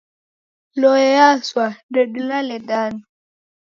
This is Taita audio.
Ndoe yaswa ndedilale danu.